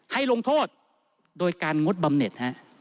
ให้ลงโทษโดยการงดบำเน็ต